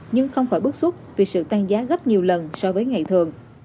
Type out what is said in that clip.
nhưng không khỏi bức xúc vì sự tăng giá gấp nhiều lần so với ngày thường